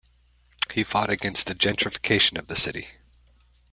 He fought against the gentrification of the city.